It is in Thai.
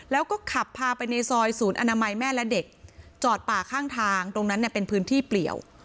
แล้วก็ขับพาไปในซอยศูนย์อนามัยแม่และเด็กจอดป่าข้างทางตรงนั้นเนี่ยเป็นพื้นที่เปลี่ยว